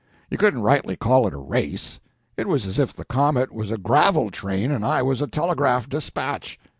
You couldn't rightly call it a race. It was as if the comet was a gravel train and I was a telegraph despatch.